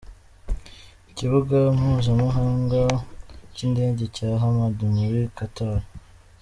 Ikibuga Mpuzamahanga cy’Indege cya Hamad muri Qatar.